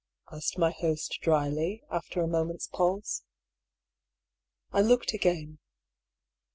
asked my host dryly, after a moment's pause. I looked again.